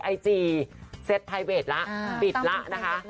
ไอจีเซตไพเวทละปิดละนะคะ